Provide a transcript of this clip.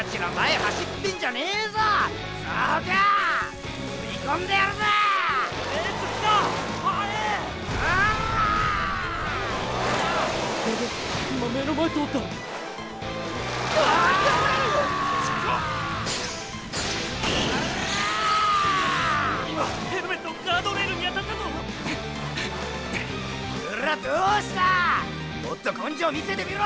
もっと根性見せてみろ総北！